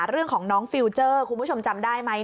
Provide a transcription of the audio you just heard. เรื่องของน้องฟิลเจอร์คุณผู้ชมจำได้ไหม